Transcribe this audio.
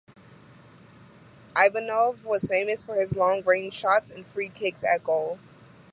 Ivanov was famous for his long-range shots and free-kicks at goal.